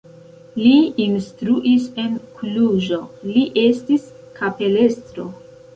Li instruis en Kluĵo, li estis kapelestro.